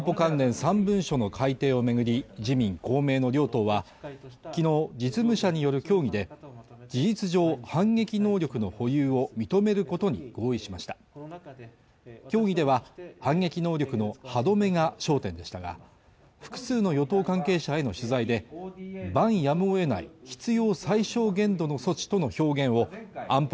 ３文書の改定を巡り自民・公明の両党はきのう実務者による協議で事実上反撃能力の保有を認めることに合意しました協議では反撃能力の歯止めが焦点でしたが複数の与党関係者への取材で「万やむをえない必要最小限度の措置」との表現を安保